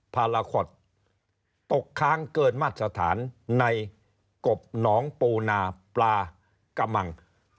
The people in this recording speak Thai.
พาราคอตตกค้างเกินมาตรฐานในกบหนองปูนาปลากะมัง